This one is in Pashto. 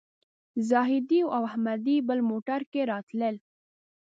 زاهدي او احمدي بل موټر کې راتلل.